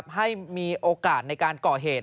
ให้มีโอกาสในการก่อเหตุ